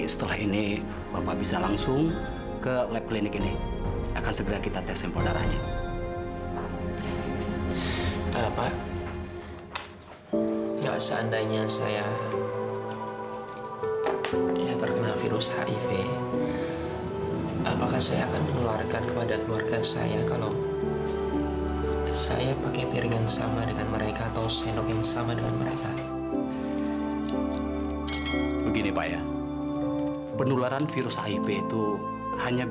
sampai jumpa di video selanjutnya